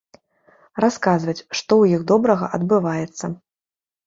Расказваць, што ў іх добрага адбываецца.